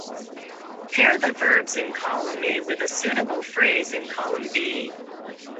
Pair the verbs in column A with a suitable phrase in column B.